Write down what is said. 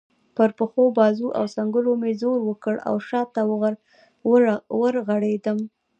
پر پښو، بازو او څنګلو مې زور وکړ او شا ته ورغړېدم.